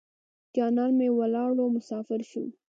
جانان مې ولاړو مسافر شو.